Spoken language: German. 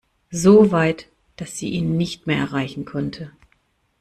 So weit, dass sie ihn nicht mehr erreichen konnte.